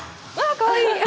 かわいい。